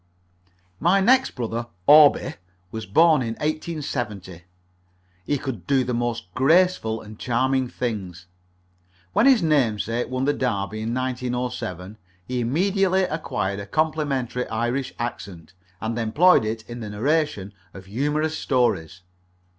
My next brother, Orby, was born in 1870. He could do the most graceful and charming things. When his namesake won the Derby in 1907, he immediately acquired a complimentary Irish accent, and employed it in the narration of humorous stories.